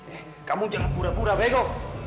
eh kamu jangan pura pura bego